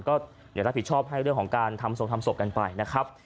ก็เดี๋ยวรับผิดชอบให้เรื่องของการทำส่งทำศพกันไปนะครับ